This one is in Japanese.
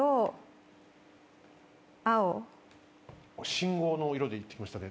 信号の色で言ってきましたね。